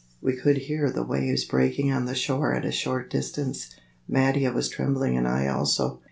We could hear the waves breaking on the shore at a short distance. Mattia was trembling and I also.